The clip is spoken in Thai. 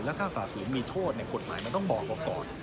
ถ้าสาธารณ์ศูนย์มีโทษกฎหมายมันต้องบอกว่าก่อน